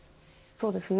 そうですね。